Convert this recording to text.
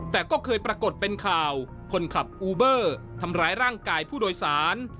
แต่ก็เคยปรากฏเป็นข่าวคนขับอูเบอร์ทำร้ายร่างกายผู้โดยสาร